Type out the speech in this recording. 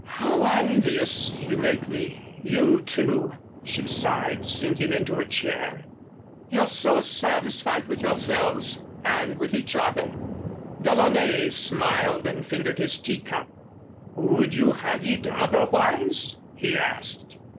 "How envious you make me you two," she sighed, sinking into a chair, "you're so satisfied with yourselves and with each other." DeLaunay smiled and fingered his tea cup. "Would you have it otherwise?" he asked.